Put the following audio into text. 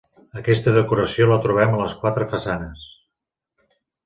Aquesta decoració la trobem a les quatre façanes.